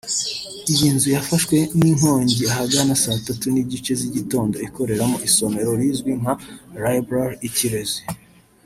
Iyi nzu yafashwe n’inkongi ahagana saa tatu n’igice z’igitondo ikoreramo isomero rizwi nka Librarie Ikirezi